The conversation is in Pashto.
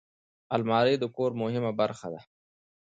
الماري د کور مهمه برخه ده